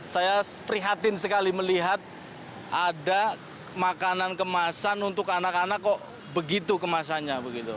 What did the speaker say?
saya prihatin sekali melihat ada makanan kemasan untuk anak anak kok begitu kemasannya begitu